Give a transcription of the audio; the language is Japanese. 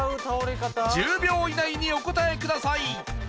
１０秒以内にお答えください